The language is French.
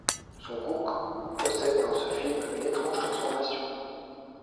Son Goku possède dans ce film une étrange transformation.